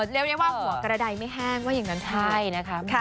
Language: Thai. เรียกได้ว่าหัวกระดายไม่แห้งว่าอย่างนั้นใช่นะคะ